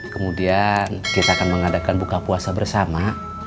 kemudian kita akan mengadakan buka puasa bersama